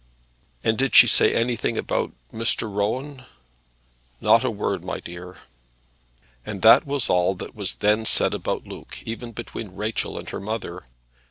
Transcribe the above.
"And did she say anything about Mr. Rowan?" "Not a word, my dear." And that was all that was then said about Luke even between Rachel and her mother.